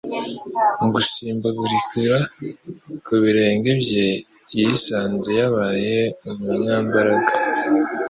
Mu gusimbagurikira ku birenge bye, yisanze yabaye umunyambaraga